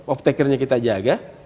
obtekernya kita jaga